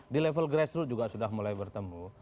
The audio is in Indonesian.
di level grassroots juga sudah mulai bertemu